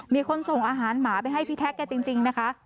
มีคนส่งอาหารหมาไปให้พี่แท็กแกจริงนะคะ